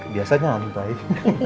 biasanya aneh pak